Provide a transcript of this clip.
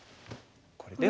これでは。